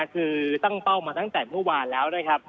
คือตั้งเป้ามาตั้งแต่เมื่อวานแล้วนะครับ